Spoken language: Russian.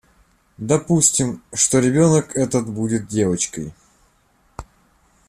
Допустим, что ребенок этот будет девочкой.